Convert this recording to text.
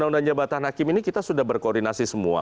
undang undang jabatan hakim ini kita sudah berkoordinasi semua